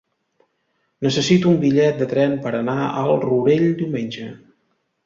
Necessito un bitllet de tren per anar al Rourell diumenge.